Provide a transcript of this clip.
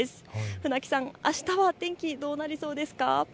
船木さん、あしたは天気どうなりそうですか。